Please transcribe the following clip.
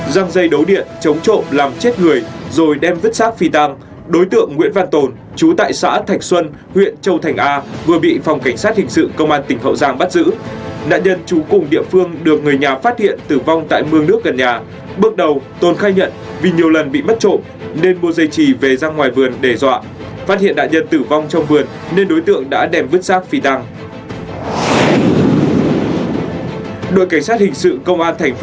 răng dây đấu điện chống trộm làm chết người rồi đem vứt xác phi tăng đối tượng nguyễn văn tồn chú tại xã thạch xuân huyện châu thành a vừa bị phòng cảnh sát hình sự công an tỉnh hậu giang bắt giữ nạn nhân chú cùng địa phương được người nhà phát hiện tử vong tại mương nước gần nhà bước đầu tồn khai nhận vì nhiều lần bị mất trộm nên mua dây trì về ra ngoài vườn để dọa phát hiện nạn nhân tử vong trong vườn nên đối tượng đã đem vứt xác phi tăng